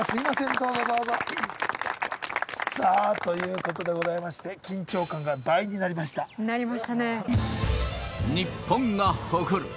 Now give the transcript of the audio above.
どうぞどうぞさあということでございまして緊張感が倍になりましたなりましたね